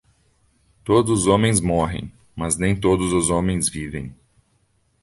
Todos os homens morrem, mas nem todos os homens vivem